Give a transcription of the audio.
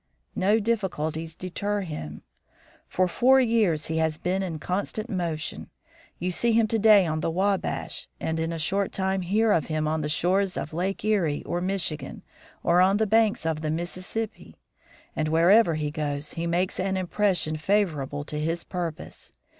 No difficulties deter him. For four years he has been in constant motion. You see him to day on the Wabash, and in a short time hear of him on the shores of Lake Erie or Michigan, or on the banks of the Mississippi; and wherever he goes he makes an impression favorable to his purpose.